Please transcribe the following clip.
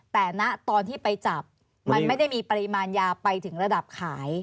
แต่ณตอนที่ไปจับมันไม่ได้มีปริมาณยาไปถึงระดับขาย